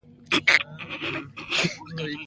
د علي په سترګو شمګوري ده، د شپې له طرفه هېڅ شی نه ویني.